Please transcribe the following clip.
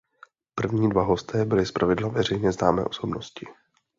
První dva hosté byli zpravidla veřejně známé osobnosti.